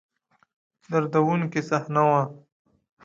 دردوونکې صحنه وه.